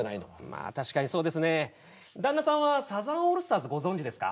まあ確かにそうですね旦那さんはサザンオールスターズご存じですか？